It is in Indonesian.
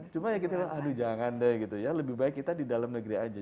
cuma ya kita aduh jangan deh gitu ya lebih baik kita di dalam negeri aja